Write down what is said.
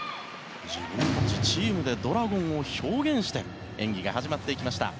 自分たちチームでドラゴンを表現して演技が始まっていきました。